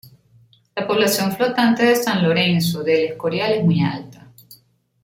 La población flotante de San Lorenzo de El Escorial es muy alta.